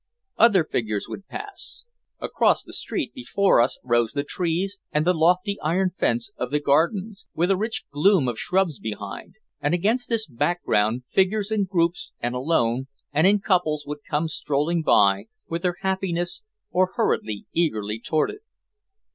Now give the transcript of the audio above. Other figures would pass. Across the street before us rose the trees and the lofty iron fence of the Gardens, with a rich gloom of shrubs behind, and against this background figures in groups and alone and in couples would come strolling by with their happiness or hurrying eagerly toward it.